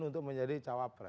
untuk menjadi cawapres